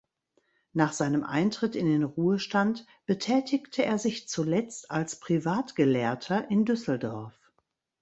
Nach seinem Eintritt in den Ruhestand betätigte er sich zuletzt als Privatgelehrter in Düsseldorf.